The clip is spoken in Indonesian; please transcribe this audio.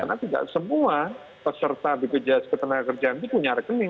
karena tidak semua peserta bpjs ketenagakerjaan itu punya rekening